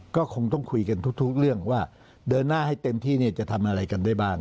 ก็คงต้องคุยกันทุกเรื่องว่าเดินหน้าให้เต็มที่จะทำอะไรกันได้บ้าง